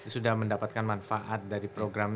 sudah mendapatkan manfaat dari program